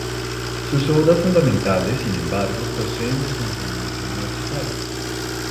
Sus obras fundamentales, sin embargo, proceden de su enseñanza universitaria.